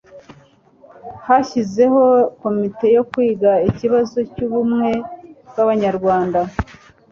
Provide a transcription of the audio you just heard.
hashyizeho komite yo kwiga ikibazo cy'ubumwe bw'abanyarwanda